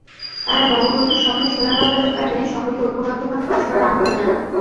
তাঁরা বঙ্গবন্ধুর স্বপ্নের সোনার বাংলা রূপায়ণে সকলকে ঐক্যবদ্ধভাবে কাজ করার আহ্বান জানান।